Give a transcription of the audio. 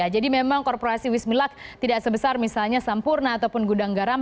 jadi memang korporasi wismilak tidak sebesar misalnya sampurna ataupun gudang garam